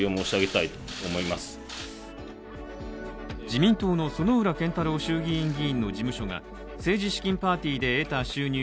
自民党の薗浦健太郎衆議院議員の事務所が政治資金パーティーで得た収入